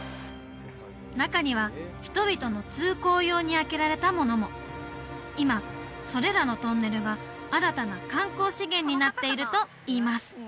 中には人々の通行用に開けられたものも今それらのトンネルが新たな観光資源になっているといいます